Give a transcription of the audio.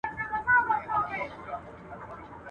لوی مشران قوي تصمیمونه نیسي